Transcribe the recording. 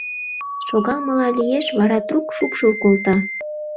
Шогалмыла лиеш, вара трук шупшыл колта.